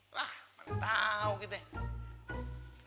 lah mana tau gitu ya